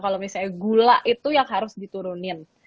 kalau misalnya gula itu yang harus diturunin